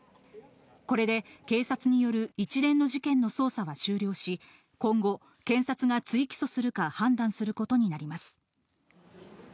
これで警察による一連の事件の捜査は終了し、今後、検察が追起訴するか判断することになります。